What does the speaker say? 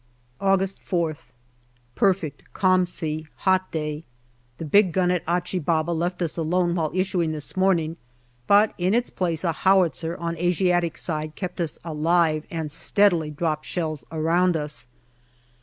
August 4sth. Perfect, calm sea ; hot day. The big gun at Achi Baba left us alone while issuing this morning, but in its place a howitzer on Asiatic side kept us alive and steadily dropped shells around us.